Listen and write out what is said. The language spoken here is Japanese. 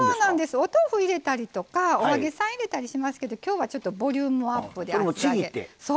お豆腐、入れたりとかお揚げさんを入れたりしますけどきょうはボリュームアップで厚揚げを。